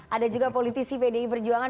ada juga politisi pdi perjuangan